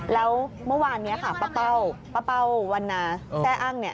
แล้วเมื่อวานนี้ค่ะป้าเป้าป้าเป้าวันนาแซ่อั้งเนี่ย